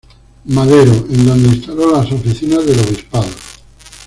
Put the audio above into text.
Madero, en donde instaló las oficinas del Obispado.